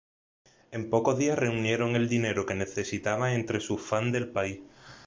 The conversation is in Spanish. En pocos días reunieron el dinero que necesitaban entre sus fans del país.